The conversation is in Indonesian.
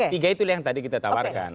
tiga itulah yang tadi kita tawarkan